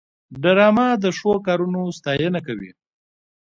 ډرامه د ښو کارونو ستاینه کوي